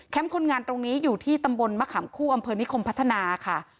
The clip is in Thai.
คนงานตรงนี้อยู่ที่ตำบลมะขามคู่อำเภอนิคมพัฒนาค่ะ